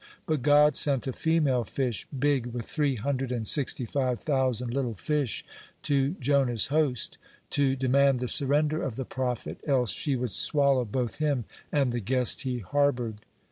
But God sent a female fish big with three hundred and sixty five thousand little fish to Jonah's host, to demand the surrender of the prophet, else she would swallow both him and the guest he harbored.